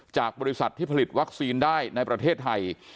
จากบริษัทที่ผลิตวัคซีนได้ในประเทศไทย